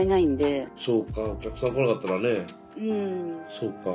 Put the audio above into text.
そうか。